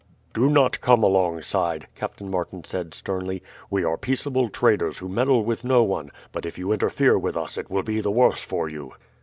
"Do not come alongside," Captain Martin said sternly. "We are peaceable traders who meddle with no one, but if you interfere with us it will be the worse for you."